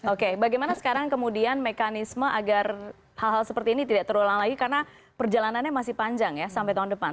oke bagaimana sekarang kemudian mekanisme agar hal hal seperti ini tidak terulang lagi karena perjalanannya masih panjang ya sampai tahun depan